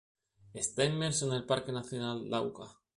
Está inmerso en el Parque Nacional Lauca.